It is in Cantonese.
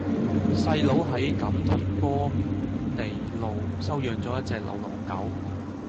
細佬喺錦田波地路收養左一隻流浪狗